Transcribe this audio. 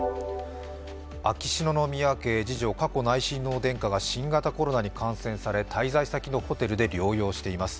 秋篠宮家の次女、佳子内親王殿下が新型コロナに感染され、滞在先のホテルで療養しています。